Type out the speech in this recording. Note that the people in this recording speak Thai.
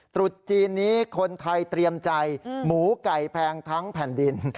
ตรุษจีนนี้คนไทยเตรียมใจหมูไก่แพงทั้งแผ่นดิน